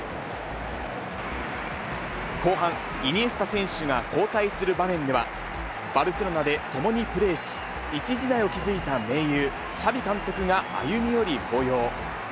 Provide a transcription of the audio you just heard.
後半、イニエスタ選手が交代する場面では、バルセロナで共にプレーし、一時代を築いた盟友、シャビ監督が歩み寄り、抱擁。